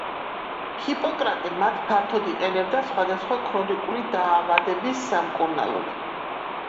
ჰიპოკრატე მათ ფართოდ იყენებდა სხვადასხვა ქრონიკული დაავადების სამკურნალოდ.